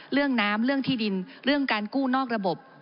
เรื่องน้ำเรื่องที่ดินเรื่องการกู้นอกระบบ